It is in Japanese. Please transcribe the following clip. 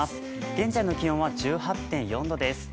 現在の気温は１８．４度です。